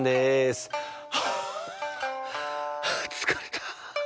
はあはあつかれた。